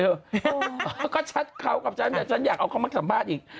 นี่ก็ชัดเขากับฉันฉันอยากเอาเขามาสัมภาษณ์อีก